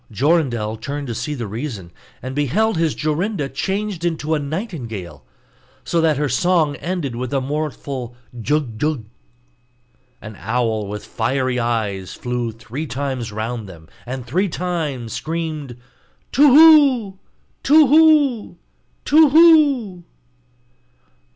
Jorindel turned to see the reason, and beheld his Jorinda changed into a nightingale, so that her song ended with a mournful jug, jug. An owl with fiery eyes flew three times round them, and three times screamed: 'Tu whu! Tu whu! Tu whu!